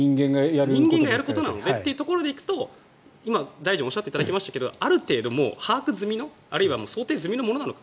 人間がやることなのでっていうところで行くと今、大臣におっしゃっていただきましたけどある程度、把握済みのあるいは想定済みのものなのか